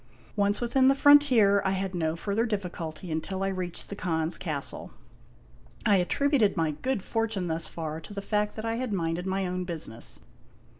Once within the frontier, I had no further difficulty until I reached the Khan's castle. I attributed my good fortune thus far to the fact that I had minded my own business.